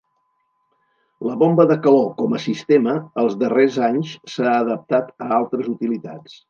La bomba de calor com a sistema, els darrers anys s'ha adaptat a altres utilitats.